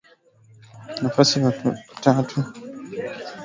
nafasi ya tatu nyuma ya Manaibu Wafalme au Manaibu Chifu na katika baadhi ya